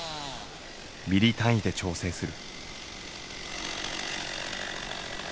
ミリ単位で調整する。